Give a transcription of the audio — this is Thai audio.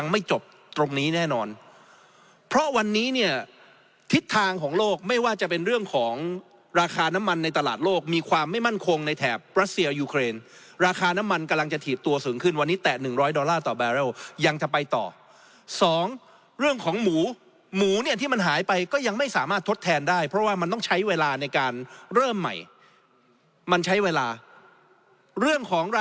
ไม่จบตรงนี้แน่นอนเพราะวันนี้เนี่ยทิศทางของโลกไม่ว่าจะเป็นเรื่องของราคาน้ำมันในตลาดโลกมีความไม่มั่นคงในแถบรัสเซียยูเครนราคาน้ำมันกำลังจะถีบตัวสูงขึ้นวันนี้แต่๑๐๐ดอลลาร์ต่อแบเรลยังจะไปต่อสองเรื่องของหมูหมูเนี่ยที่มันหายไปก็ยังไม่สามารถทดแทนได้เพราะว่ามันต้องใช้เวลาในการเริ่มใหม่มันใช้เวลาเรื่องของร